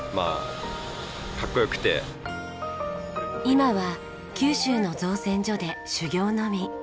今は九州の造船所で修業の身。